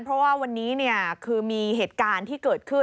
เพราะว่าวันนี้คือมีเหตุการณ์ที่เกิดขึ้น